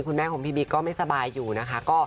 คุณแม่ของพี่บิ๊กก็ไม่สบายอยู่นะคะ